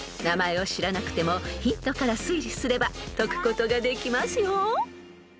［名前を知らなくてもヒントから推理すれば解くことができますよ］